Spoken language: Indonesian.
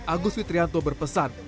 agus witrianto berpesan